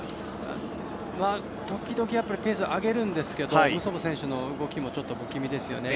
時々ペースを上げるんですけどムソボ選手の動きもちょっと不気味ですよね